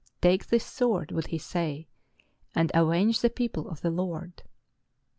"Take this sword," would he say, "and avenge the peo ple of the Lord."